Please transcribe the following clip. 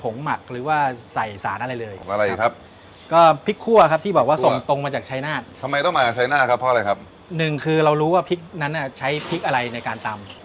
แล้วเราต้องพรุนรสด้วยอะไรไม่ครับ